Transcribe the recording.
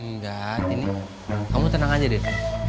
enggak ini kamu tenang aja deh